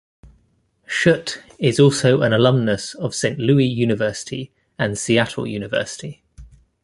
Schutte is also an alumnus of Saint Louis University and Seattle University.